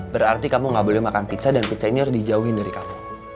berarti kamu gak boleh makan pizza dan pizza ini harus dijauhin dari kamu